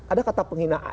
ada kata penghinaan